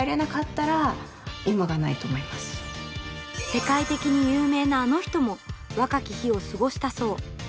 世界的に有名なあの人も若き日を過ごしたそう！